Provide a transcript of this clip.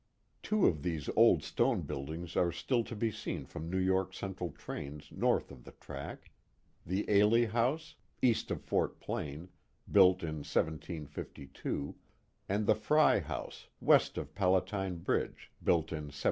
(Two of these old stone buildings are still to be seen from New York Central trains north of the track, the EHIe house, east of Fort Plain, built in 1752, and the Frey house, west of Palatine Bridge, built in 1739.)